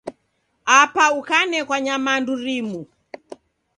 Apa ukanekwa nyamandu rimu